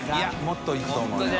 もっといくと思うね。